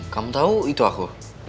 kamu tau itu aku